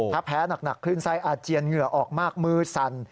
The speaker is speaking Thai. ถ้าแพ้หนักขึ้นไส้อาเจียนเหงื่อออกมากมือสั่น